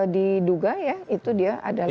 diduga ya itu dia adalah